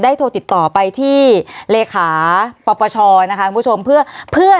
โทรติดต่อไปที่เลขาปปชนะคะคุณผู้ชมเพื่อเพื่อ